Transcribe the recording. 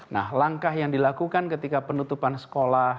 nah langkah yang dilakukan ketika penutupan sekolah